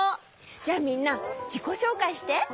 じゃあみんなじこしょうかいして。